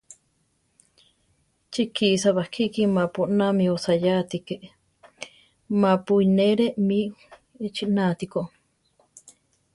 Chi kisá bakíki mapu oná mi osayá atíke, mapu ínere mí echina atikó.